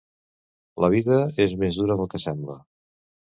La vida és més dura del que sembla.